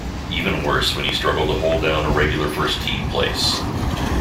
Even worse when he struggled to hold down a regular first-team place.